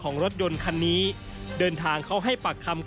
รถยนต์คันนี้เดินทางเขาให้ปากคำ